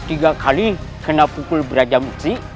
agar tidak ada yang tidak berfungsi